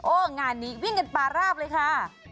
งานนี้วิ่งกันปาราบเลยค่ะ